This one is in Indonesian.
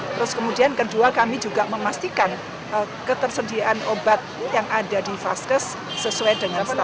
terus kemudian kedua kami juga memastikan ketersediaan obat yang ada di faskes sesuai dengan standar